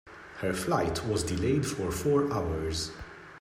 Her flight was delayed for four hours.